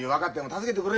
助けてくれよ